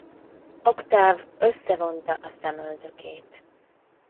Oktáv összevonta a szemöldökét.